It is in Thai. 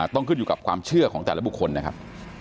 ต้องขึ้นอยู่กับความเชื่อของแต่ละบุคคลนะครับ